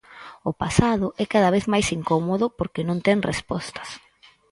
O pasado é cada vez máis incómodo porque non ten respostas.